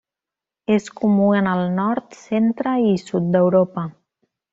És comú en el nord, centre i sud d'Europa.